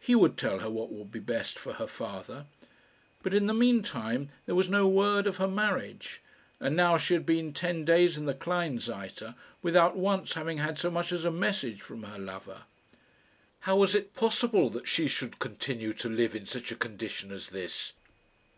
He would tell her what would be best for her father. But in the mean time there was no word of her marriage; and now she had been ten days in the Kleinseite without once having had so much as a message from her lover. How was it possible that she should continue to live in such a condition as this?